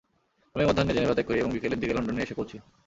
আমি মধ্যাহ্নে জেনেভা ত্যাগ করি এবং বিকেলের দিকে লন্ডন এসে পৌঁছি।